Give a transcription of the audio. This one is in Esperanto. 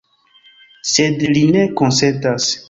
Sed li ne konsentas.